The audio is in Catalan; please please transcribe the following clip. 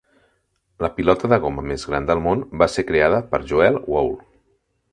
La pilota de goma més gran del món va ser creada per Joel Waul.